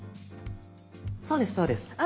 そうですそうです。